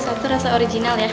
satu rasa original ya